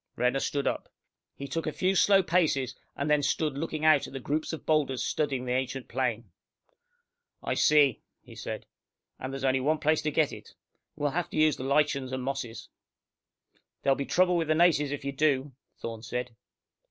Renner stood up. He took a few slow paces, and then stood looking out at the groups of boulders studding the ancient plain. "I see," he said. "And there's only one place to get it. We'll have to use the lichens and the mosses." "There'll be trouble with the natives if you do," Thorne said.